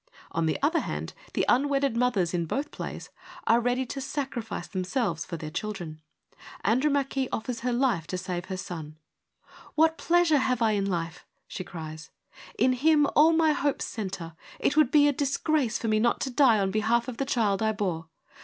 On the other hand, the unwedded mothers in both plays are ready to sacrifice themselves for their children. Andromache offers her life to save her son —' What pleasure have I in life ?' she cries, ' In him all my hopes centre : it would be a disgrace for me not to die on behalf of the child I bore.